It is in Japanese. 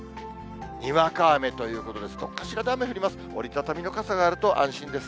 にわか雨ということで、どこかしらで雨が降ります。